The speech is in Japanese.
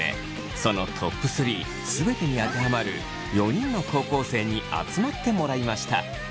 そのＴＯＰ３全てにあてはまる４人の高校生に集まってもらいました。